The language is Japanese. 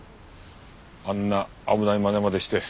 あんな危ないまねまでして。